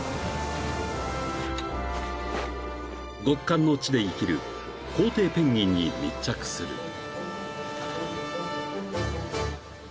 ［極寒の地で生きるコウテイペンギンに密着する］